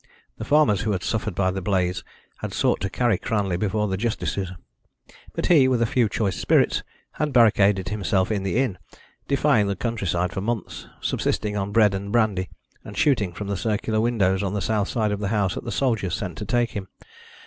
The farmers who had suffered by the blaze had sought to carry Cranley before the justices, but he, with a few choice spirits, had barricaded himself in the inn, defying the countryside for months, subsisting on bread and brandy, and shooting from the circular windows on the south side of the house at the soldiers sent to take him.